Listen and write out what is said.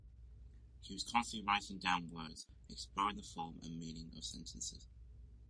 She was constantly writing down words, exploring the form and meaning of sentences.